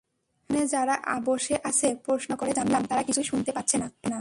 পেছনে যারা বসে আছে প্রশ্ন করে জানলাম, তারা কিছুই শুনতে পাচ্ছে না।